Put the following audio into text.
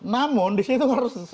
namun di situ harus